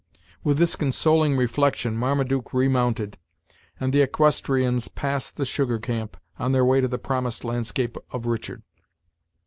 With this consoling reflection, Marmaduke remounted, and the equestrians passed the sugar camp, on their way to the promised landscape of Richard.